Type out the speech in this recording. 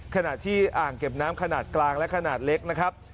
ขณะที่อ่างเก็บน้ำขนาดกลางและขนาดเล็กนะครับ